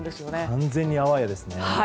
完全にあわやですね。